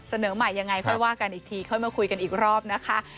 เสนอใหม่ยังไงค่อยว่ากันอีกทีค่อยมาคุยกันอีกรอบนะคะ